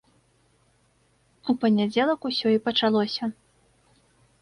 У панядзелак усё і пачалося.